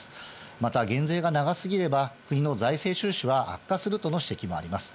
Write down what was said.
また減税が長すぎれば、国の財政収支は悪化するとの指摘もあります。